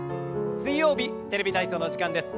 水曜日「テレビ体操」の時間です。